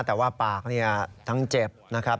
แต่ว่าปากทั้งเจ็บนะครับ